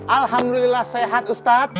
alhamdulillah sehat ustad